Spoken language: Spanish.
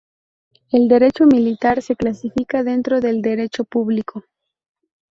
El derecho militar se clasifica dentro del derecho público.